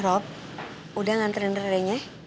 rob udah ngantrin rene